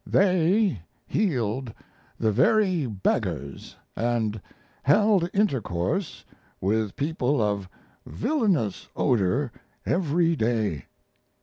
They healed the very beggars, and held intercourse with people of a villainous odor every day.